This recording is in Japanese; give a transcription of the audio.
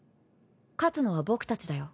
勝つのは僕たちだよ。